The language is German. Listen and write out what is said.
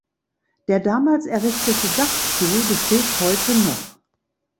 Der damals errichtete Dachstuhl besteht heute noch.